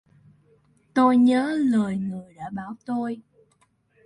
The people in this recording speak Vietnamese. Tôi nhớ lời người đã bảo tôi